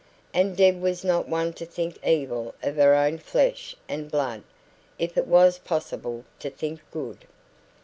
And Deb was not one to think evil of her own flesh and blood, if it was possible to think good.